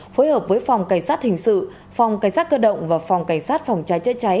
phối hợp với phòng cảnh sát hình sự phòng cảnh sát cơ động và phòng cảnh sát phòng cháy chữa cháy